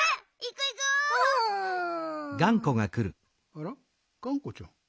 あらっがんこちゃん。